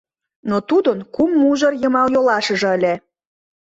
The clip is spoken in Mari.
Но тудын кум мужыр йымал йолашыже ыле.